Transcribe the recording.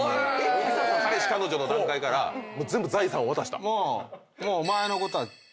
彼氏彼女の段階からもう全部財産を渡した？